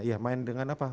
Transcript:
iya main dengan apa